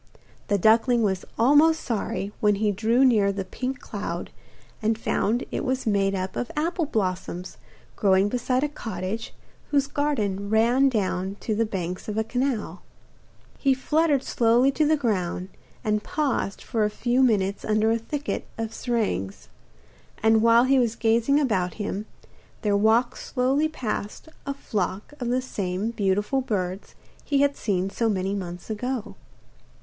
The duckling was almost sorry when he drew near the pink cloud and found it was made up of apple blossoms growing beside a cottage whose garden ran down to the banks of the canal. He fluttered slowly to the ground and paused for a few minutes under a thicket of syringas, and while he was gazing about him, there walked slowly past a flock of the same beautiful birds he had seen so many months ago.